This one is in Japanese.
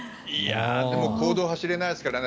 でも公道を走れないですからね。